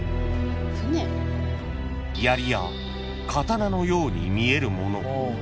［やりや刀のように見えるもの］